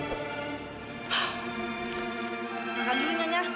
makan dulu nyanya